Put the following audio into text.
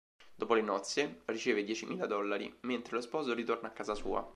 Dopo le nozze, riceve i diecimila dollari, mentre lo sposo ritorna a casa sua.